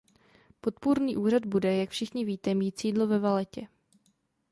Podpůrný úřad bude, jak všichni víte, mít sídlo ve Vallettě.